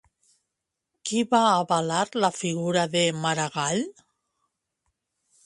Qui va avalar la figura de Maragall?